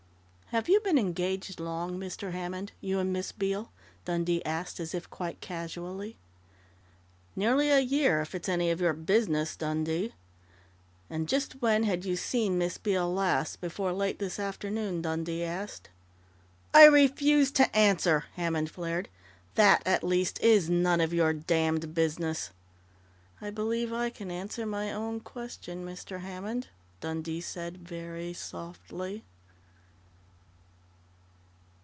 "Have you been engaged long, Mr. Hammond you and Miss Beale?" Dundee asked, as if quite casually. "Nearly a year, if it's any of your business, Dundee!" "And just when had you seen Miss Beale last, before late this afternoon?" Dundee asked. "I refuse to answer!" Hammond flared. "That at least is none of your damned business!" "I believe I can answer my own question, Mr. Hammond," Dundee said very softly.